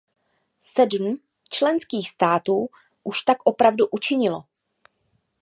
Sedm členských států už tak opravdu učinilo.